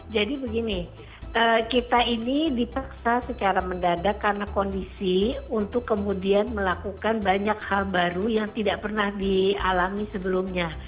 jadi begini kita ini dipaksa secara mendadak karena kondisi untuk kemudian melakukan banyak hal baru yang tidak pernah dialami sebelumnya